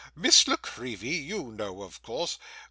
Miss La Creevy, you know, of course.